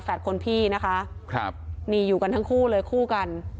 คนพี่นะคะครับนี่อยู่กันทั้งคู่เลยคู่กัน